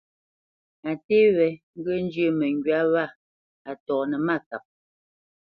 A nté wé ŋgyə̂ njyə́ məŋgywá wâ a tɔnə́ mâkap.